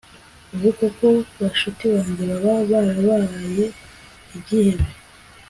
ubu koko bashuti banjye baba barabaye ibyihebe